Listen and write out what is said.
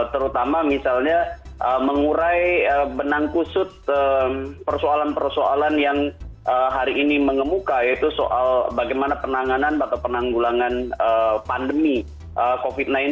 terutama misalnya mengurai benang kusut persoalan persoalan yang hari ini mengemuka yaitu soal bagaimana penanganan atau penanggulangan pandemi covid sembilan belas